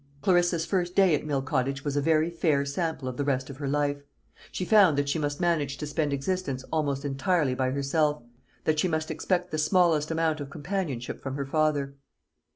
Clarissa's first day at Mill Cottage was a very fair sample of the rest of her life. She found that she must manage to spend existence almost entirely by herself that she must expect the smallest amount of companionship from her father.